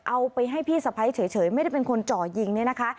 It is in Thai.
เอาไปให้พี่สะพ้ายเฉยไม่ได้เป็นคนจ่อยิงเนี่ยนะคะ